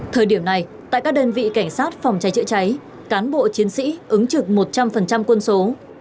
thời điểm này tại các đơn vị cảnh sát phòng cháy chữa cháy cán bộ chiến sĩ ứng trực một trăm linh quân số